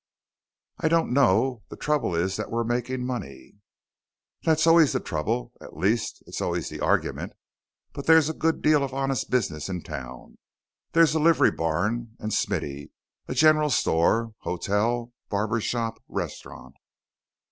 "I don't know. The trouble is that we're making money." "That's always the trouble. At least, it's always the argument. But there's a good deal of honest business in town. There's a livery barn and smithy, a general store, hotel, barber shop, restaurant...."